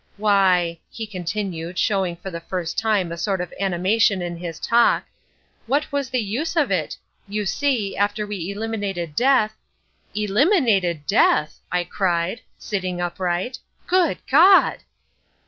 Why," he continued, showing for the first time a sort of animation in his talk, "what was the use of it? You see, after we eliminated death—" "Eliminated death!" I cried, sitting upright. "Good God!"